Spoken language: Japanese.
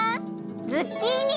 ズッキーニ！